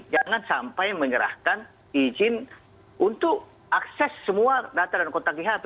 jangan sampai menyerahkan izin untuk akses semua data dan kontak di hp